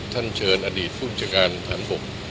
ท่านเชิญอดีตผู้บุจการฐานปก